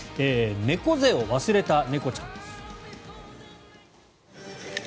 猫背を忘れた猫ちゃんです。